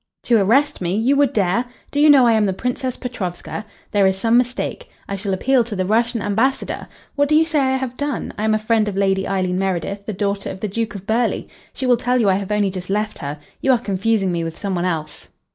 "To arrest me? You would dare? Do you know I am the Princess Petrovska? There is some mistake. I shall appeal to the Russian Ambassador. What do you say I have done? I am a friend of Lady Eileen Meredith, the daughter of the Duke of Burghley. She will tell you I have only just left her. You are confusing me with some one else."